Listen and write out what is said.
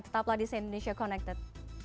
tetaplah di si indonesia connected